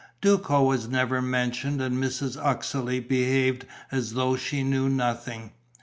Duco was never mentioned and Mrs. Uxeley behaved as though she knew nothing.